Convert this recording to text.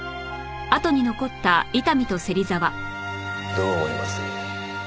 どう思います？